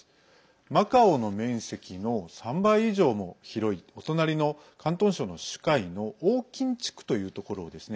マカオの面積の３倍以上も広いお隣の広東省の珠海の横琴地区というところをですね